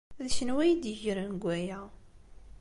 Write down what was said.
D kenwi ay iyi-d-yegren deg waya!